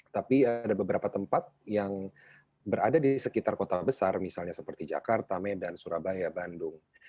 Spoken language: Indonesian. tapi ada beberapa tempat yang berada di sekitar kota besar misalnya seperti jakarta medan surabaya bandung